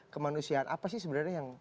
kemanusiaan apa sih sebenarnya yang